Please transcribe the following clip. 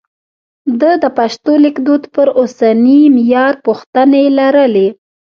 ده د پښتو لیکدود پر اوسني معیار پوښتنې لرلې.